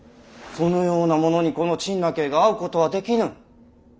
そのような者にこの陳和が会うことはできぬ。